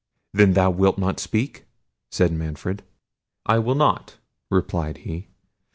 "Then thou wilt not speak?" said Manfred. "I will not," replied he.